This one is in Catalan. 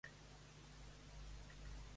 Són éssers rellevants per la seva religió?